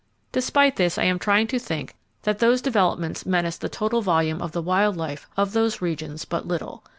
Despite this I am trying to think that those developments menace the total volume of the wild life of those regions but little.